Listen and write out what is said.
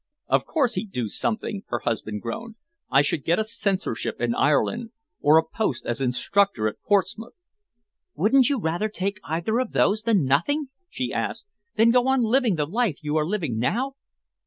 "Of course he'd do something!" Her husband groaned. "I should get a censorship in Ireland, or a post as instructor at Portsmouth." "Wouldn't you rather take either of those than nothing?" she asked, "than go on living the life you are living now?"